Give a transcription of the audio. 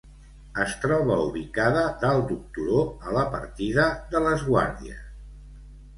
"Es troba ubicada dalt d'un turó, a la partida de ""Les Guàrdies""."